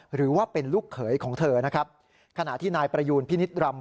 หรือว่าเป็นลูกเคยของเธอขณะที่นายประยูนพินิดรำ